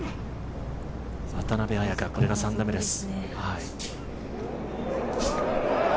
渡邉彩香、これが３打目です。